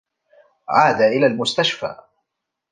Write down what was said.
عاد إلى المستشفى.